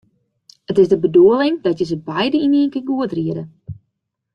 It is de bedoeling dat je se beide yn ien kear goed riede.